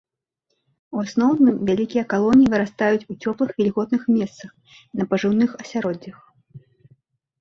У асноўным, вялікія калоніі вырастаюць у цёплых вільготных месцах, на пажыўных асяроддзях.